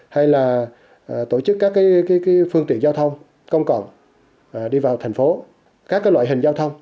hay là tổ chức các phương tiện giao thông công cộng đi vào thành phố các loại hình giao thông